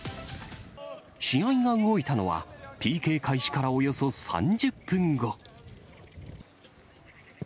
試合が動いたのは、ＰＫ開始からおよそ３０分後。